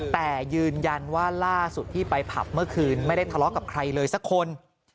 แต่ยืนยันว่าล่าสุดที่ไปผับเมื่อคืนไม่ได้ทะเลาะกับใครเลยสักคน